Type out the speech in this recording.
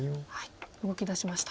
動きだしました。